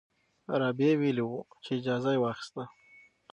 رابعه ویلي وو چې اجازه یې واخیسته.